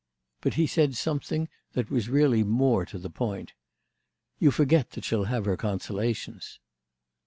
But he said something that was really more to the point. "You forget that she'll have her consolations."